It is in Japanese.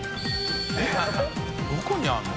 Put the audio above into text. どこにあるの？